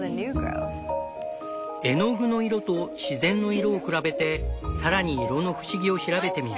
絵の具の色と自然の色を比べてさらに色の不思議を調べてみる。